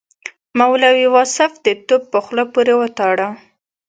مولوي واصف د توپ په خوله پورې وتاړه.